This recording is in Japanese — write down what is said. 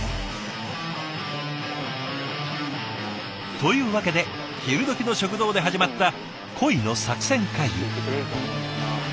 というわけで昼どきの食堂で始まった恋の作戦会議。